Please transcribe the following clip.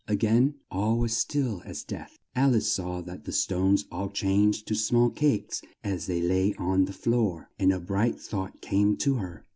A gain all was still as death. Al ice saw that the stones all changed to small cakes as they lay on the floor, and a bright thought came to her.